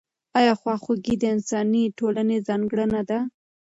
آیا خواخوږي د انساني ټولنې ځانګړنه ده؟